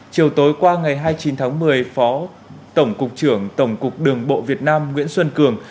chiều tối qua ngày hai mươi chín tháng một mươi phó tổng cục trưởng tổng cục đường bộ việt nam nguyễn xuân cường